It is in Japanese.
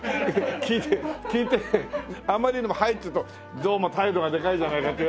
聞いて聞いてあまりにも「はい」って言うとどうも態度がでかいじゃないかって言われるしな。